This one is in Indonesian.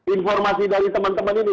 informasi dari teman teman ini